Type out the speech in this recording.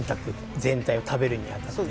全体を食べるにあたってあえて